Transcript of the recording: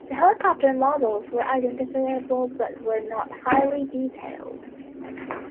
The helicopter models were identifiable but were not highly detailed.